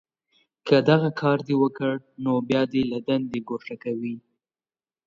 که دغه کار دې وکړ، نو بیا دې له دندې گوښه کوي